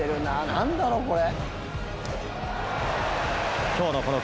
なんだろうこれ。